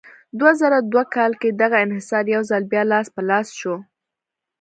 دوه زره دوه کال کې دغه انحصار یو ځل بیا لاس په لاس شو.